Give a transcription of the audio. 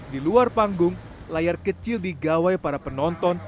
di luar panggung layar kecil di gawai para penonton